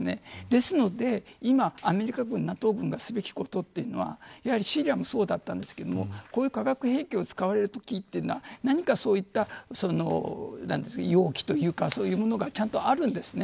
ですので今、アメリカ軍ＮＡＴＯ軍がすべきことというのはシリアもそうだったんですがこういう化学兵器を使われるときというのは何か容器というかそういうものがあるんです。